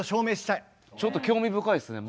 ちょっと興味深いですね。